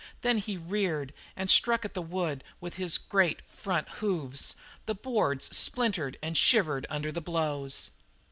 There he reared and struck at the wood with his great front hoofs; the boards splintered and shivered under the blows.